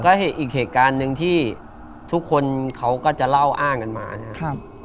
ก็อีกเหตุการณ์หนึ่งที่ทุกคนเขาก็จะเล่าอ้างกันมานะครับ